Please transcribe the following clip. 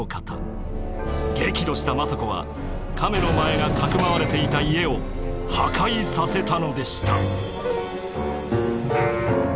激怒した政子は亀の前がかくまわれていた家を破壊させたのでした。